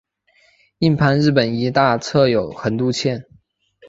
印幡日本医大侧有横渡线。